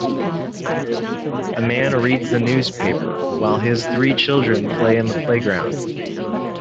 A man reads the newspaper while his three children play on the playground.